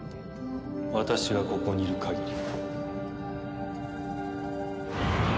私がここにいる限り。